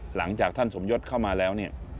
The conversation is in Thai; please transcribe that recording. หลังจากท่านสมยศเข้ามาแล้วเนี่ย